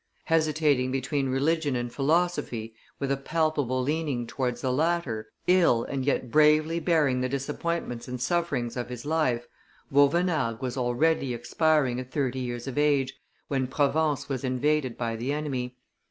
Hesitating between religion and philosophy, with a palpable leaning towards the latter, ill and yet bravely bearing the disappointments and sufferings of his life, Vauvenargues was already expiring at thirty years of age, when Provence was invaded by the enemy.